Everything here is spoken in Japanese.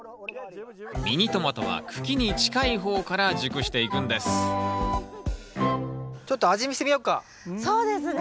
ミニトマトは茎に近い方から熟していくんですちょっと味見してみようか。